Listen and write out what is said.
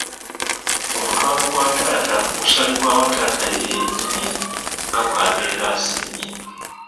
Omutwalo gwa taata gusalibwawo taata ye nnyini nga bw’abeera asiimye.